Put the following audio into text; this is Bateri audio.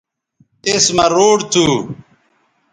اس مہ روڈ تھو